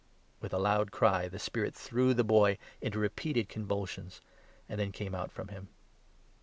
With a loud cry the spirit threw the boy into repeated convul 26 sions, and then came out from him.